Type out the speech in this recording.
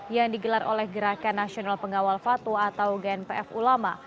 yang digelar oleh gerakan nasional pengawal fatwa atau gnpf ulama